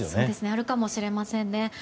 あるかもしれませんね。